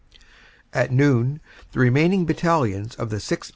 At noon the remaining battalions of the 6th.